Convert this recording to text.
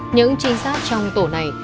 những trinh sát trong tổ này